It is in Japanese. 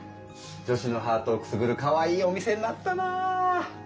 女子のハートをくすぐるかわいいお店になったなぁ。